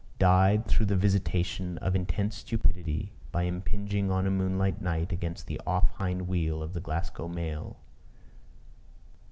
"Died through the visitation of intense stupidity, by impinging on a moonlight night against the off hind wheel of the Glasgow mail!